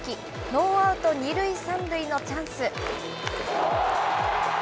ノーアウト２塁３塁のチャンス。